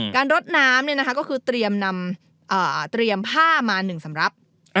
การรดน้ำก็คือเตรียมผ้ามาหนึ่งสำรับ